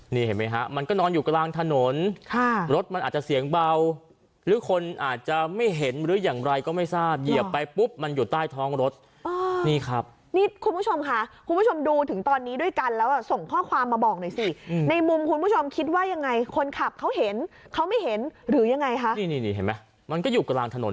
นี่เห็นไหมฮะมันก็นอนอยู่กลางถนนค่ะรถมันอาจจะเสียงเบาหรือคนอาจจะไม่เห็นหรืออย่างไรก็ไม่ทราบเหยียบไปปุ๊บมันอยู่ใต้ท้องรถนี่ครับนี่คุณผู้ชมค่ะคุณผู้ชมดูถึงตอนนี้ด้วยกันแล้วส่งข้อความมาบอกหน่อยสิในมุมคุณผู้ชมคิดว่ายังไงคนขับเขาเห็นเขาไม่เห็นหรือยังไงคะนี่นี่เห็นไหมมันก็อยู่กลางถนน